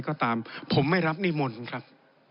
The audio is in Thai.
ก็ตามผมไม่รับนิมนต์ครับ